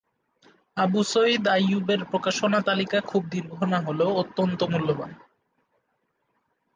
আবু সয়ীদ আইয়ুবের প্রকাশনা তালিকা খুব দীর্ঘ না হলেও অত্যন্ত মূল্যবান।